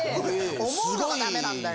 思うのがダメなんだよ。